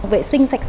vệ sinh sạch sạch